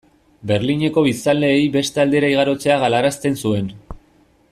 Berlineko biztanleei beste aldera igarotzea galarazten zuen.